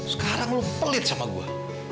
sekarang lu pelit sama gue